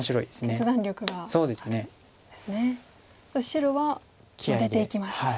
白は出ていきました。